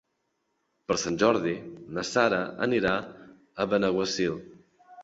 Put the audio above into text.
Per Sant Jordi na Sara anirà a Benaguasil.